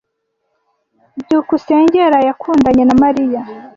Byukusenge yaraye akundanye na Mariya.